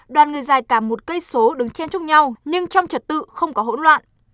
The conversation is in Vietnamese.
đoàn người dài cả một cây số đứng trên chung nhau nhưng trong trật tự không có hỗn loạn